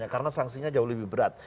karena sanksinya jauh lebih berat